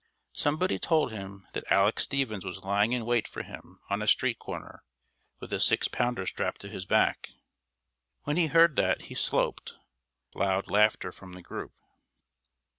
Somebody told him that Aleck Stephens was lying in wait for him on a street corner, with a six pounder strapped to his back. When he heard that, he sloped. [Loud laughter from the group.